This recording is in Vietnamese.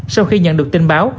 sau khi nhận được tin báo